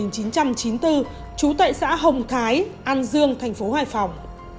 từ năm một nghìn chín trăm chín mươi bốn trú tại xã hồng thái an dương tp hải phòng